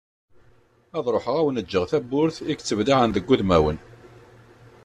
Ad ruḥeγ ad awen-ğğeγ tawwurt i yettblaԑen deg udemawen.